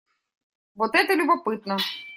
Вот это любопытно.